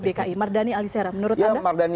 dki mardhani alisera menurut anda